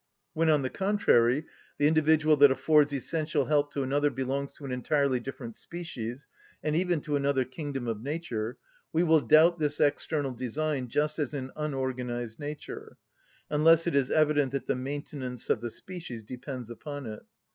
When, on the contrary, the individual that affords essential help to another belongs to an entirely different species, and even to another kingdom of nature, we will doubt this external design just as in unorganised nature; unless it is evident that the maintenance of the species depends upon it.